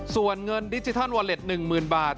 ส่วนเงินดิจิทัลวอเล็ต๑๐๐๐บาท